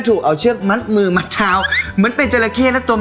และเป็นทีมงานของมันเองนะครับ